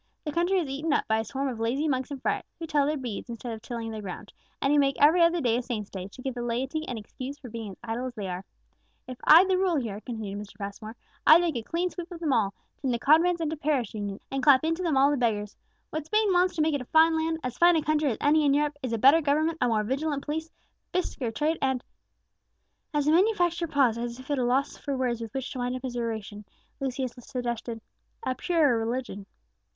The country is eaten up by a swarm of lazy monks and friars, who tell their beads instead of tilling their ground, and who make every other day a saint's day, to give the laity an excuse for being as idle as they are. If I'd the rule here," continued Mr. Passmore, "I'd make a clean sweep of them all; turn the convents into parish unions, and clap into them all the beggars. What Spain wants to make it a fine land, as fine a country as any in Europe, is a better government, a more vigilant police, brisker trade, and " As the manufacturer paused, as if at a loss for words with which to wind up his oration, Lucius suggested "a purer religion."